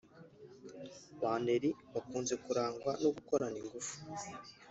Ba Nelly bakunze kurangwa no gukorana ingufu